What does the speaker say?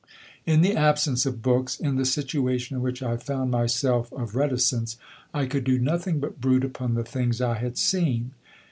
In the absence of books, in the situation in which I found myself of reticence, I could do nothing but brood upon the things I had seen.